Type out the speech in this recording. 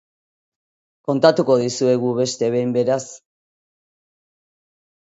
Kontatuko dizuegu beste behin, beraz.